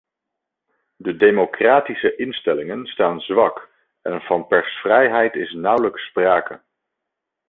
De democratische instellingen staan zwak en van persvrijheid is nauwelijks sprake.